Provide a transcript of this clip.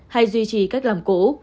hay duy trì cách làm cũ